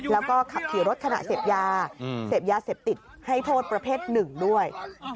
แล้วก็ขับขี่รถขณะเสพยาเสพยาเสพติดให้โทษประเภทหนึ่งด้วย